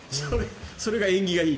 それが縁起がいいと。